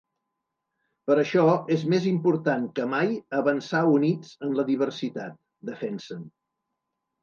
Per això, és més important que mai avançar units en la diversitat, defensen.